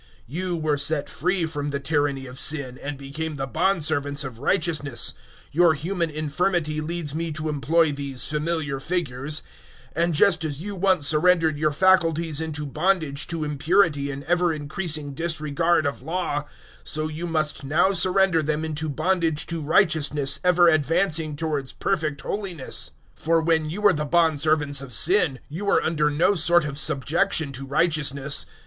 006:018 You were set free from the tyranny of Sin, and became the bondservants of Righteousness 006:019 your human infirmity leads me to employ these familiar figures and just as you once surrendered your faculties into bondage to Impurity and ever increasing disregard of Law, so you must now surrender them into bondage to Righteousness ever advancing towards perfect holiness. 006:020 For when you were the bondservants of sin, you were under no sort of subjection to Righteousness.